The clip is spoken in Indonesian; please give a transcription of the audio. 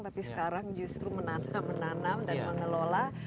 tapi sekarang justru menanam menanam dan mengelola